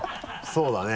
そうだね。